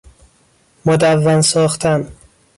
مدون ساختن